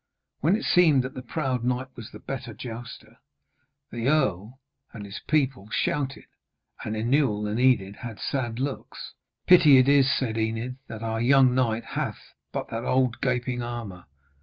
When it seemed that the proud knight was the better jouster, the earl and his people shouted, and Inewl and Enid had sad looks. 'Pity it is,' said Enid, 'that our young knight hath but that old gaping armour.